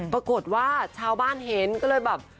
ปรากฏว่าชาวบ้านเห็นก็เลยแบบ